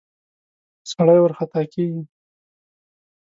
سړی ورخطا کېږي.